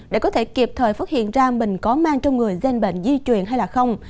để có thể kịp thời phát hiện ra mình có mang trong người ghen bệnh di truyền hay không